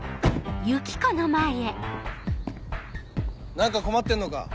何か困ってんのか？